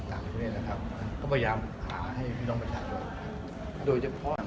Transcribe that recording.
ต่างที่เนี้ยนะครับก็พยายามหาให้พี่น้องมาถามด้วยโดยเฉพาะ